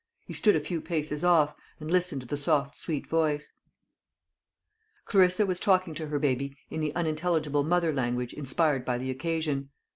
He stood a few paces off, and listened to the soft sweet voice. Clarissa was talking to her baby in the unintelligible mother language inspired by the occasion.